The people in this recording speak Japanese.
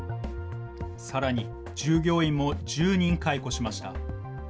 さらに従業員も１０人解雇しました。